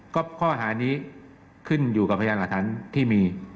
ก็ข้อหานี้ขึ้นอยู่กับพยานหลักฐานที่มี